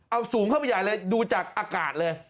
เอาสูงเข้าไปใหญ่เลยดูจากอากาศเลย